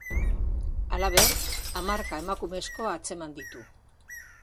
Halaber, hamarka emakumezko atzeman ditu.